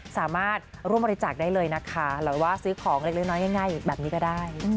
สามารถร่วมบริจาคได้เลยนะคะหรือว่าซื้อของเล็กน้อยง่ายแบบนี้ก็ได้